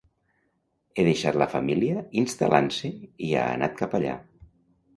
He deixat la família instal·lant-se i ha anat cap allà.